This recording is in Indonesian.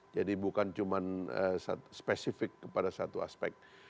jadi bukan cuman spesifik kepada satu aspek